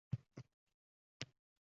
Kirdi dimog‘imga tuproqning hidi…